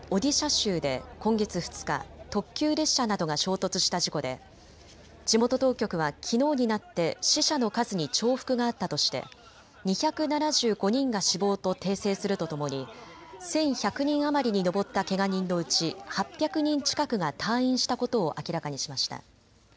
州で今月２日、特急列車などが衝突した事故で地元当局はきのうになって死者の数に重複があったとして２７５人が死亡と訂正するとともに１１００人余りに上ったけが人のうち８００人近くが退院したことを明らかにしました。